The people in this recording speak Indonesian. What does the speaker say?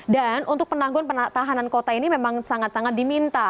dan untuk penangguhan penanganan kota ini memang sangat sangat diminta